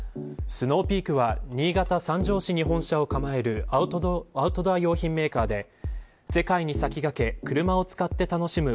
スノーピークは新潟三条市に本社を構えるアウトドア用品メーカーで世界に先駆け車を使って楽しむ